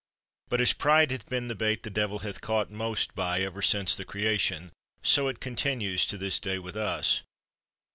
But as pride hath been the bait the devil hath caught most by ever since the creation, so it con tinues to this day with us.